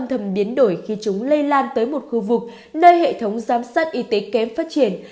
thầm biến đổi khi chúng lây lan tới một khu vực nơi hệ thống giám sát y tế kém phát triển